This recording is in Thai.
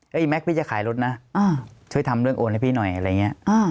อีกแม็กพี่จะขายรถนะช่วยทำเรื่องโอนให้พี่หน่อยอะไรอย่างนี้